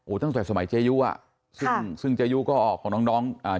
ตั้งแต่สมัยเจยุอ่ะซึ่งซึ่งเจยุก็ออกของน้องน้องอ่า